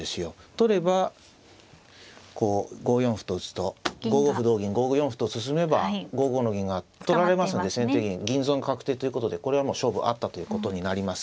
取ればこう５四歩と打つと５五歩同銀５四歩と進めば５五の銀が取られますので先手銀銀損確定ということでこれはもう勝負あったということになります。